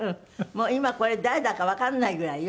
今これ誰だかわかんないぐらいよ。